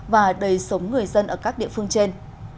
và đầy sống người dân ở các địa phương trên